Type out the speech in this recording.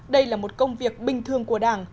đây là một công việc bình thường của đảng